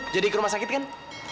jadi ke rumah sakit kan